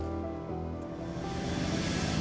aku bisa sembuh